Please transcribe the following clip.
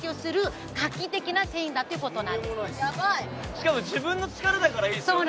しかも自分の力だからいいですよね